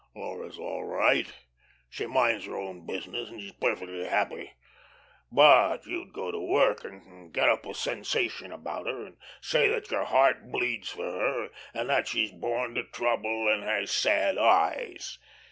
Laura's all right. She minds her own business, and she's perfectly happy. But you'd go to work and get up a sensation about her, and say that your 'heart bleeds for her,' and that she's born to trouble, and has sad eyes.